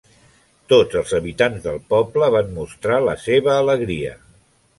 Tots els habitants del poble van mostrar la seva alegria.